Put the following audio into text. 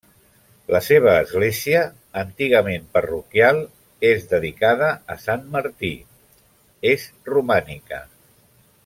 La seva església, antigament parroquial, és dedicada a sant Martí; és romànica.